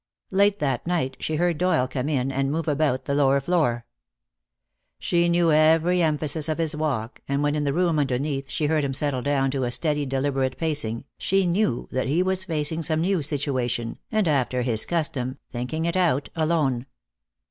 Late that night she heard Doyle come in and move about the lower floor. She knew every emphasis of his walk, and when in the room underneath she heard him settle down to steady, deliberate pacing, she knew that he was facing some new situation, and, after his custom, thinking it out alone.